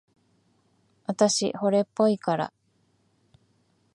あたし、惚れっぽいから。